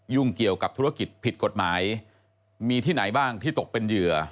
เกี่ยวกับธุรกิจผิดกฎหมายมีที่ไหนบ้างที่ตกเป็นเหยื่อ